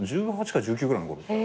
１８か１９ぐらいのころ。